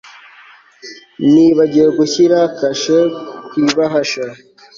Nibagiwe gushyira kashe ku ibahasha